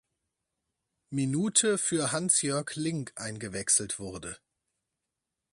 Minute für Hansjörg Lingg eingewechselt wurde.